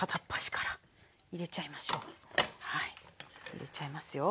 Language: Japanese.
入れちゃいますよ